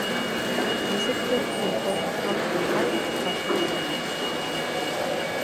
Нисектер, йоҡоһо һаҡ булһа ла, татлы ла ине.